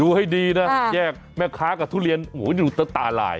ให้ดีนะแยกแม่ค้ากับทุเรียนโอ้โหอยู่ตาลาย